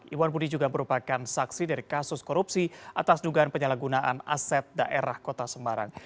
iwan budi juga merupakan saksi dari kasus korupsi atas dugaan penyalahgunaan aset daerah kota semarang